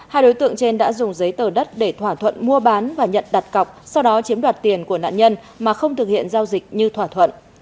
hai đối tượng trên đã dùng giấy tờ đất để thỏa thuận mua bán và nhận đặt cọc sau đó chiếm đoạt tiền của nạn nhân mà không thực hiện giao dịch như thỏa thuận